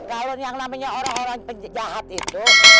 kalau yang namanya orang orang jahat itu